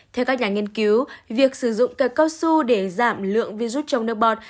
theo các nhà nghiên cứu việc sử dụng cit cao su để giảm lượng virus trong nước bọt